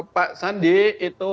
pak sandi itu